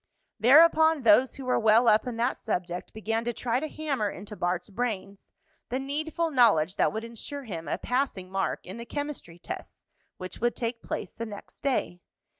Thereupon those who were well up in that subject began to try to hammer into Bart's brains the needful knowledge that would insure him a passing mark in the chemistry tests which would take place the next day.